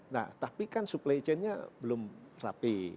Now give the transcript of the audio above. nah tapi kan supply chainnya belum rapi